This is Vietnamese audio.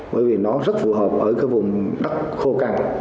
bởi vì nó rất phù hợp ở cái vùng đất khô căng